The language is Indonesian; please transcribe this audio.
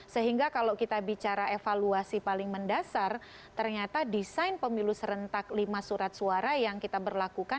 sehingga kalau kita bicara evaluasi paling mendasar ternyata desain pemilu serentak lima surat suara yang kita berlakukan